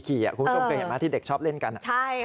คุณผู้ชมเคยเห็นไหมที่เด็กชอบเล่นกัน